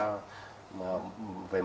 chứ không phải ít